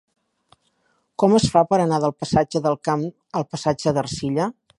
Com es fa per anar del passatge del Camp al passatge d'Ercilla?